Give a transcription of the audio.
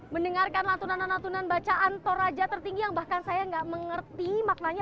mendengarkan latunan latunan bacaan toraja tertinggi yang bahkan saya gak mengerti maknanya